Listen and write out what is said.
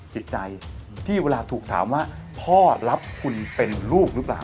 จิตใจที่เวลาถูกถามว่าพ่อรับคุณเป็นลูกหรือเปล่า